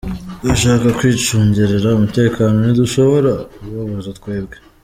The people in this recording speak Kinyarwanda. Bashaka kwicungerera umutekano ntidushobora kubabuza twebwe.